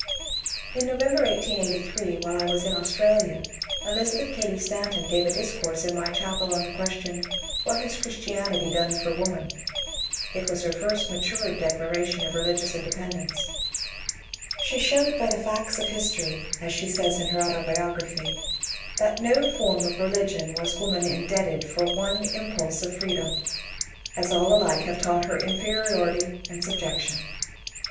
In November, 1883, while I was in Australia, Elizabeth Cady Stanton gave a discourse in my chapel on the question, " What has Christianity done for Woman ?" It was her first matured declaration of religious independence. She showed 286 MONCURE DANIEL CONWAY by the facts of history, as she says in her autobiography, ^^ that to no form of religion was woman indebted for one im pulse of freedom, as all alike have taught her inferiority and subjection.